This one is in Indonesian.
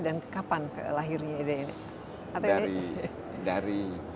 dan kapan lahirnya ide ini